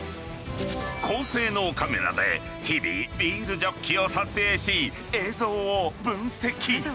高性能カメラで日々ビールジョッキを撮影し映像を分析。